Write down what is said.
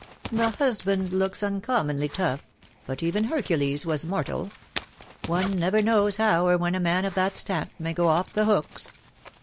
"The husband looks uncommonly tough; but even Hercules was mortal. One never knows how or when a man of that stamp may go off the hooks.